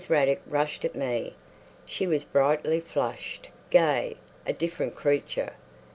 Raddick rushed at me. She was brightly flushed, gay, a different creature.